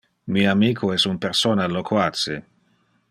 Mi amico es un persona loquace.